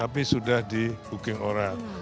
tapi sudah dibuking orang